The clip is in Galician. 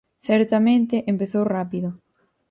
Certamente empezou rápido.